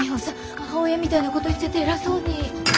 母親みたいなこと言っちゃって偉そうに。